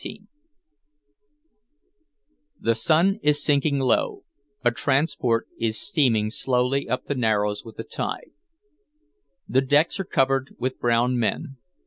XIX The sun is sinking low, a transport is steaming slowly up the narrows with the tide. The decks are covered with brown men.